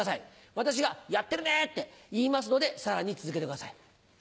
私が「やってるね」って言いますのでさらに続けてください。